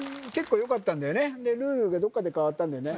ルールがどっかで変わったんだよね